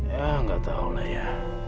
ya enggak tahu naya